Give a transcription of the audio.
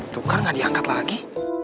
tukar gak diangkat lagi